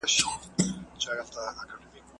که دودونه پريږدي نو له پېغورونو سره به مخ نسي.